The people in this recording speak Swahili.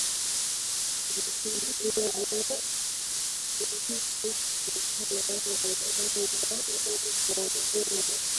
david kirby alifariki kutokana na ugonjwa wa ukimwi